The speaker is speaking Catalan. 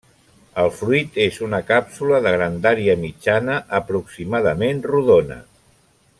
El fruit és una càpsula de grandària mitjana, aproximadament rodona.